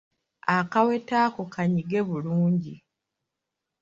Akaweta ako kanyige bulungi.